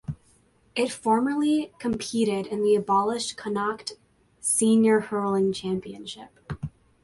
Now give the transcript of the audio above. It formerly competed in the abolished Connacht Senior Hurling Championship.